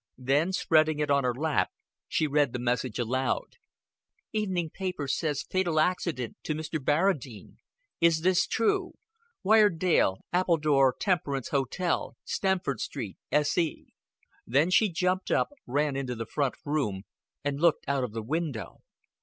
Then, spreading it on her lap, she read the message aloud: "Evening paper says fatal accident to Mr. Barradine. Is this true? Wire Dale, Appledore Temperance Hotel, Stamford Street, S.E." Then she jumped up, ran into the front room, and looked out of the window.